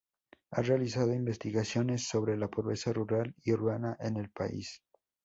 Ha realizado investigaciones sobre la pobreza rural y urbana en el país.